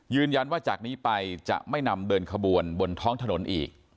ยืนยันว่าจากนี้ไปจะไม่นำเดินขบวนบนท้องถนนอีก